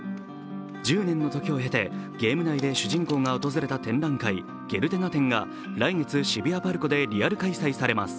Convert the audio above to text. １０年の時を経て、ゲーム内で主人公が訪れた展覧会、「ゲルテナ展」が来月渋谷ＰＡＲＣＯでリアル開催されます。